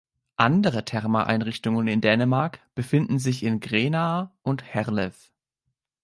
Andere Terma-Einrichtungen in Dänemark befinden sich in Grenaa und Herlev.